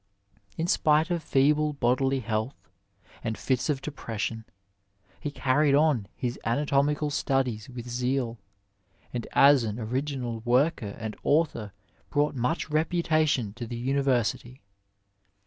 In spite of feeble bodily health and fits of depression, he carried on his anatomical studies with zeal, and as an ori ginal worker and author brought much reputation to the Uniyersity.